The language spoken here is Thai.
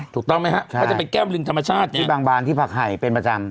ถูกต้องไหมครับก็จะเป็นแก้มลิงธรรมชาติที่บางบานที่ผักไห่เป็นประจำ